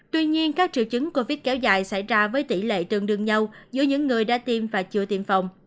tuy nhiên các triệu chứng covid kéo dài xảy ra với tỷ lệ tương đương nhau giữa những người đã tiêm và chưa tiêm phòng